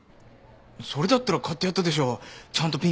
それだったら買ってやったでしょちゃんとピンクの探して。